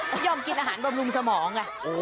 ไม่ยอมกินอาหารบำรุงสมองไง